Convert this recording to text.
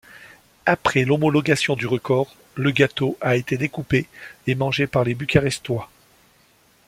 Après l'homologation du record, le gâteau a été découpé et mangé par les Bucarestois.